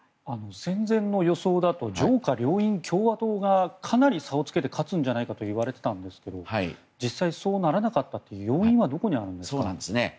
選前の予想だと上下両院、共和党がかなり差をつけて勝つんじゃないかと言われてましたけど実際、そうならなかった要因はどこにあるんですか。